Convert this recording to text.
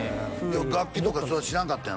楽器とか知らんかったんやろ？